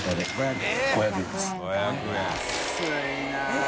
６００円。